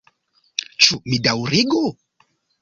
Ĉu mi daŭrigu?